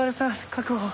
確保。